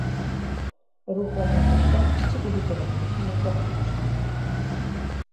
Рухомыя каштоўнасці былі перанесены ў капліцу.